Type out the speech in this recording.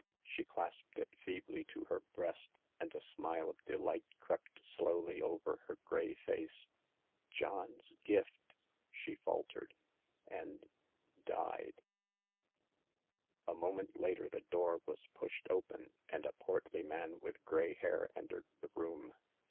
She clasped it feebly to her breast, and a smile of delight crept slowly over her gray face. ''John's gift I " she lalt^t^d^ aad— died. The Sixth Customer. 179 A moment later the door was pushed open, and a portly man with gray hair entered the room.